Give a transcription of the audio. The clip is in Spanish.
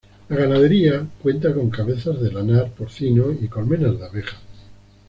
La ganadería cuenta con cabezas de lanar, porcino y colmenas de abejas.